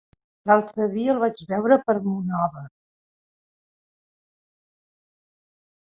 L'altre dia el vaig veure per Monòver.